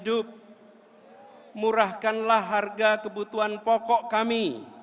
dan murahkan harga kebutuhan pokok kami